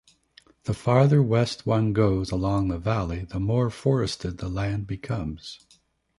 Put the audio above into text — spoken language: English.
The farther west one goes along the valley, the more forested the land becomes.